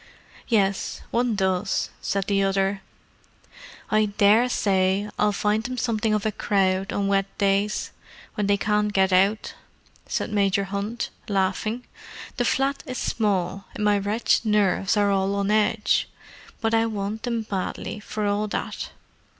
"Yes, one does," said the other. "I daresay I'll find them something of a crowd on wet days, when they can't get out," said Major Hunt, laughing. "The flat is small, and my wretched nerves are all on edge. But I want them badly, for all that.